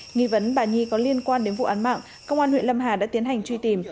nghi vấn bà nhi có liên quan đến vụ án mạng công an huyện lâm hà đã tiến hành truy tìm